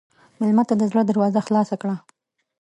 مېلمه ته د زړه دروازه خلاصه کړه.